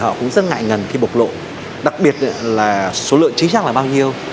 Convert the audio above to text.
họ cũng rất ngại ngần khi bộc lộ đặc biệt là số lượng trí chắc là bao nhiêu